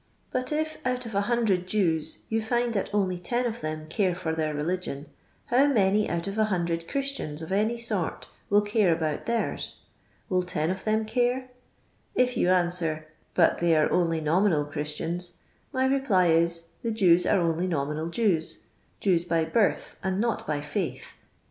But if oat of a hundred Jewi yon find tbat oalj tn of them caro for their religion, how numj o«t of a hundred Christianf of any tort will cwa aW>iit theirs 1 Will ten of them carel If yon anawei^ but they are onW nominal Christiana, my reply ii^ the Jews are onW nominal Jews — Jewa by birth, and not by iaith.